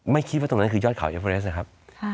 ไม่คิดว่าตรงนั้นคือยอดเขาเอเวอเรสนะครับ